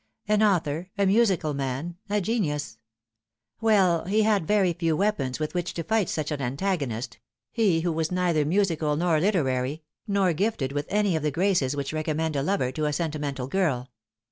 An author, a musical man, a genius ! Well, he had very few weapons with which to fight such an antagonist, he who was neither musical, nor literary, nor gifted with any of the graces which recommend a lover to a sentimental girl.